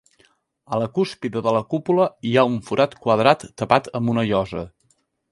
A la cúspide de la cúpula hi ha un forat quadrat tapat amb una llosa.